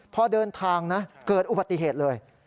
พอเดินทางนะเกิดอุบัติเหตุเลย